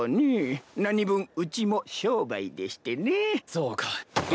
そうか。